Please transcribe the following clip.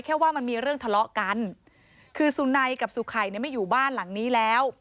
ว่ามันมีเรื่องทะเลาะกันคือสุนัยกับสุไข่เนี่ยไม่อยู่บ้านหลังนี้แล้ว